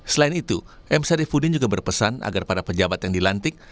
selain itu m sarifudin juga berpesan agar para pejabat yang dilantik